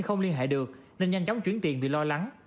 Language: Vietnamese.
không liên hệ được nên nhanh chóng chuyển tiền vì lo lắng